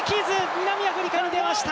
南アフリカに出ました。